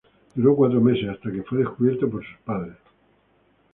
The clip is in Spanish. Duró cuatro meses hasta que fue descubierto por sus padres.